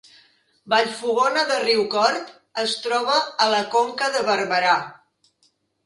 Vallfogona de Riucorb es troba a la Conca de Barberà